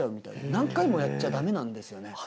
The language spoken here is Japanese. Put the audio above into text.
何回もやっちゃ駄目なんですよね。